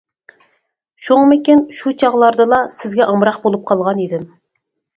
شۇڭىمىكىن شۇ چاغلاردىلا سىزگە ئامراق بولۇپ قالغان ئىدىم.